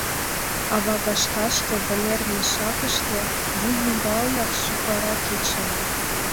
Авагашташте, вынер мешакыште, вуй ӱмбалнак, сукара кеча.